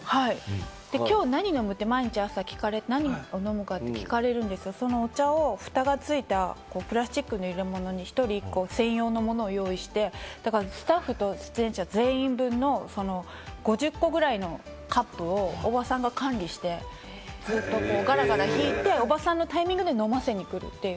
きょう何飲む？って毎朝聞かれて、お茶を蓋がついたプラスチックの入れ物に一人１個、専用のものを用意してスタッフと出演者全員分の５０個ぐらいのカップをおばさんが管理して、ずっとガラガラ引いて、おばさんのタイミングで飲ませにくるという。